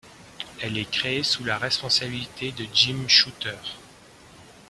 Elle est créée sous la responsabilité de Jim Shooter.